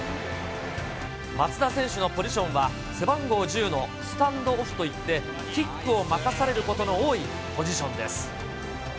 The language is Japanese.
松田選手のポジションは、背番号１０のスタンドオフといって、キックを任されることの多いポジションです。